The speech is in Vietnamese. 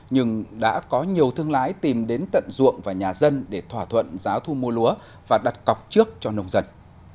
nhưng đã có nhiều thương lái tìm đến tận ruộng và nhà dân để thỏa thuận giá thu mua lúa và đặt cọc trước cho nông dân